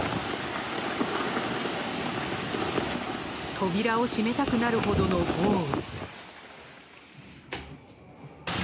扉を閉めたくなるほどの豪雨。